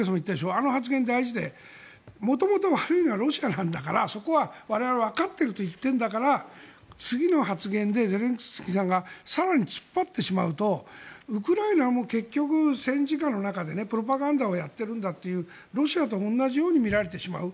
あの発言が大事で元々悪いのはロシアなんだからそこは我々はわかっていると言っているんだから次の発言でゼレンスキーさんが更に突っ張ってしまうとウクライナも結局、戦時下の中でプロパガンダをやっているんだというロシアと同じように見られてしまう。